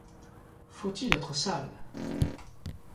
Faut-il être sale !